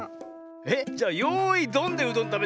えっじゃあ「よいどん」でうどんたべたの？